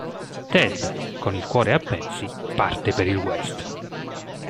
Ted, con il cuore a pezzi, parte per il West.